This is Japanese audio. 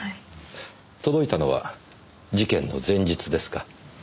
届いたのは事件の前日ですか？